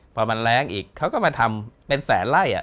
พอมันแรงอีกเขาก็มาทำเป็นแสนไล่